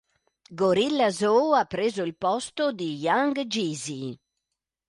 Gorilla Zoe ha preso il posto di Young Jeezy.